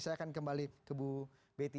saya akan kembali ke bu betty